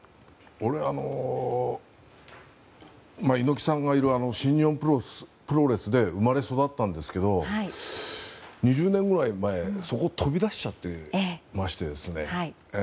俺は猪木さんがいる新日本プロレスで生まれ育ったんですが２０年くらい前そこを飛び出しちゃってまして。